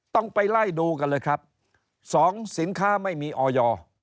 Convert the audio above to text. ต้องไปไล่ดูกันเลยครับสองสินค้าไม่มีออย